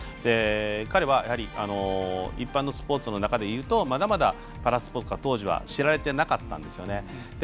彼は一般のスポーツの中でいうとまだまだパラスポーツ当時は、知られていなくて。